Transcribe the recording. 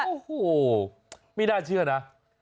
โอ้โหไม่น่าเชื่อนะ